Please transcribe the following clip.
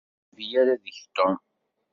Ur d-yecbi ara deg-k Tom.